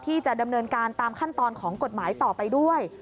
ที่จะดำเนินการตามขั้นตอนของกฎหมายต่อไปด้วย